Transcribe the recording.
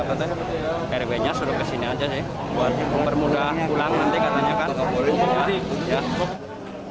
dari rw nya suruh ke sini aja buat mempermudah pulang nanti katanya kan